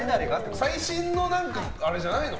最新のあれじゃないの？